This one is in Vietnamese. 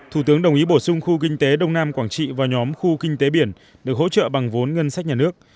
thủ tướng đồng ý bổ sung khu kinh tế đông nam quảng trị vào nhóm khu kinh tế biển được hỗ trợ bằng vốn ngân sách nhà nước